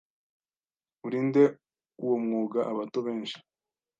Urinde uwo mwuga abato benshi